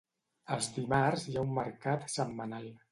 Els dimarts hi ha un mercat setmanal.